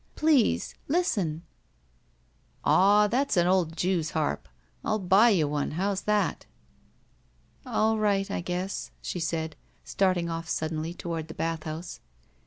Please! Listen." "Aw, that's an old jew's harp. Ill buy you one. How's that?" "All right, I guess," she said, starting off sud denly toward the bathhouse.